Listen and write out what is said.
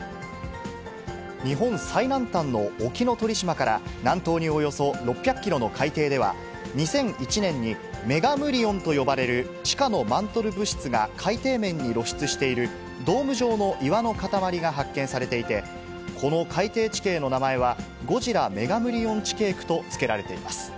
日本最南端の沖ノ鳥島から南東におよそ６００キロの海底には、２００１年にメガムリオンと呼ばれる地下のマントル物質が海底面に露出している、ドーム状の岩の塊が発見されていて、この海底地形の名前は、ゴジラメガムリオン地形区と付けられています。